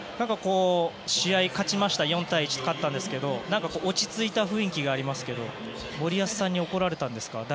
試合は４対１で勝ったんですが落ち着いた雰囲気がありましたが森保さんに怒られたんですか？